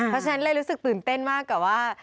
เพราะฉะนั้นเลยรู้สึกตื่นเต้นมากกับว่า